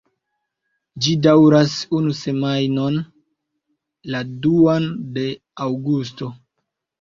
Ĝi daŭras unu semajnon, la duan de aŭgusto.